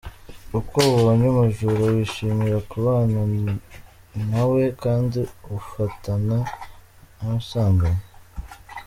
Uko ubonye umujura wishimira kubana na we, Kandi ufatana n’abasambanyi.